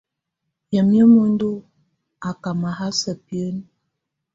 Wayɛ̀á muǝndu á ká mahása biǝ́nǝ́.